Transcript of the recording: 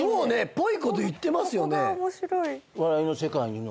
ぽいこと言ってますよね。